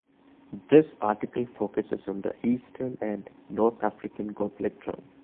This article focuses on the "Eastern" and "North-African" goblet drum.